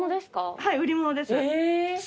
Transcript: はい売り物です。